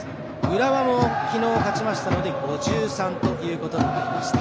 浦和も昨日勝ちましたので勝ち点５３ということになりました。